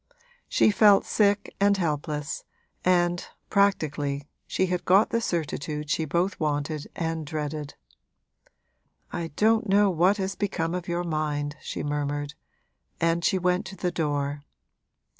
She felt sick and helpless, and, practically, she had got the certitude she both wanted and dreaded. 'I don't know what has become of your mind,' she murmured; and she went to the door.